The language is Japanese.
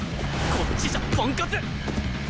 こっちじゃポンコツ！